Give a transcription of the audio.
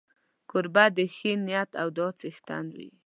کوربه د ښې نیت او دعا څښتن وي.